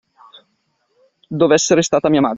Dev'essere stata mia madre.